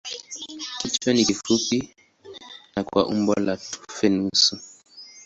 Kichwa ni kifupi na kwa umbo la tufe nusu.